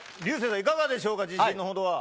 いかがですか自信のほどは。